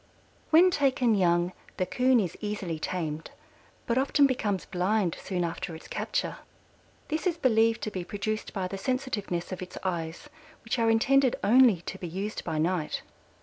When taken young the Coon is easily tamed, but often becomes blind soon after its capture. This is believed to be produced by the sensitiveness of its eyes, which are intended only to be used by night.